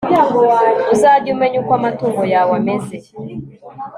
uzajye umenya uko amatungo yawe ameze